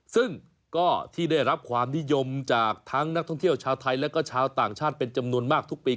ซึ่งก็ที่ได้รับความนิยมจากทั้งนักท่องเที่ยวชาวไทยและก็ชาวต่างชาติเป็นจำนวนมากทุกปี